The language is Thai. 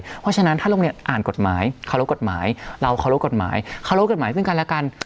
เพราะฉะนั้นถ้าโรงเรียนอ่านกฎหมายเคารพกฎหมายเราเคารพกฎหมายเคารพกฎหมายซึ่งกันและกัน